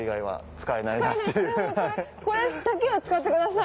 使えないこれだけを使ってください。